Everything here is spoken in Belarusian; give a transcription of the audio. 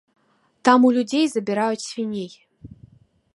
Там у людзей забіраюць свіней.